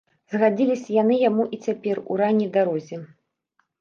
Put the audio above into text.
Згадзіліся яны яму і цяпер, у ранняй дарозе.